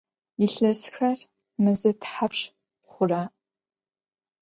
Yilhesır meze thapşş xhura?